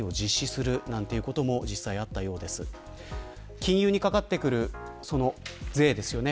金融にかかってくる税ですよね。